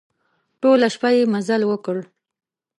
ټوله شپه يې مزل وکړ.